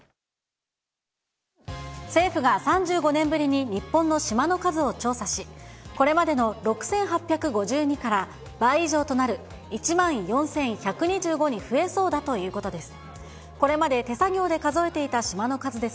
政府が３５年ぶりに日本の島の数を調査し、これまでの６８５２から、倍以上となる１万４１２５に増えそうだということです。